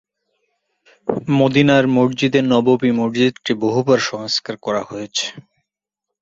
মসজিদটি বহুবার সংস্কার করা হয়েছে।